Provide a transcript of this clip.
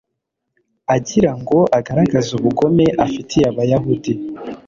agira ngo agaragaze ubugome afitiye abayahudi